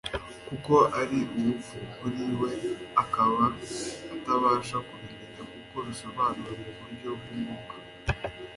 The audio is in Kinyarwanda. kuko ari ubupfu kuri we, akaba atabasha kubimenya kuko bisobanurwa mu buryo bw'umwuka."